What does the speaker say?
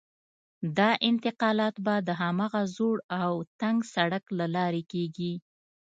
دا انتقالات به د هماغه زوړ او تنګ سړک له لارې کېږي.